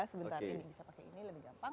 sebentar ini bisa pakai ini lebih gampang